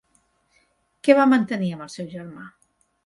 Què va mantenir amb el seu germà?